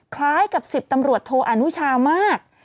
คล้ายกับ๑๐ตำรวจโทอนุชามาก